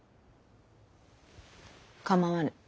構わぬ。